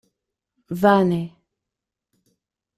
Vane!